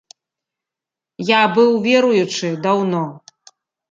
Я быў веруючы даўно.